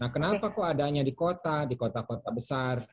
kenapa kok adanya di kota di kota kota besar